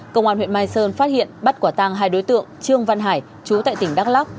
công an huyện mai sơn phát hiện bắt quả tăng hai đối tượng trương văn hải chú tại tỉnh đắk lắc